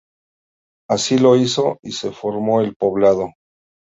Y así lo hizo y se formó el poblado.